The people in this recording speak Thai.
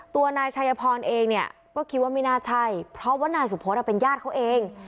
ตัวนายชัยพรเองเนี่ยก็คิดว่าไม่น่าใช่เพราะว่านายสุพธเป็นญาติเขาเอง